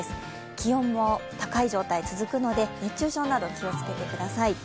気温も高い状態が続くので、熱中症など気をつけてください。